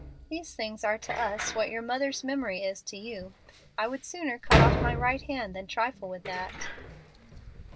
These things are to us what your mother's memory is to you. I would sooner cut off my right hand than trifle with that."